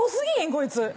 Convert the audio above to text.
こいつ。